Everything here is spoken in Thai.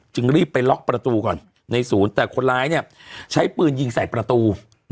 รีบไปล็อกประตูก่อนในศูนย์แต่คนร้ายใช้ปืนยิงใส่ประตู